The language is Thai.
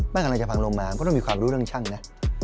มันกำลังจะพังลงมาก็ต้องมีความรู้เรื่องช่างนะ